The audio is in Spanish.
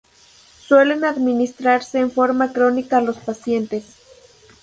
Suelen administrarse en forma crónica a los pacientes.